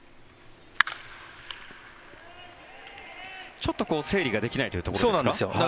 ちょっと整理ができないというところですか？